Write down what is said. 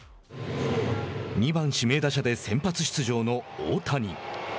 ２番指名打者で先発出場の大谷。